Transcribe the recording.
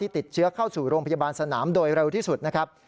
ติดเชื้อเข้าสู่โรงพยาบาลสนามโดยเร็วที่สุดนะครับ